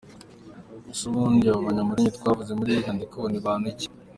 Ese ubundi abo banyamulenge twavuze muri iyi nyandiko ni bantu ki?